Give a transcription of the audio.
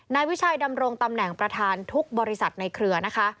นายวิชัยดำรงตำแหน่งประธานทุกบริษัทในเครือนะคะ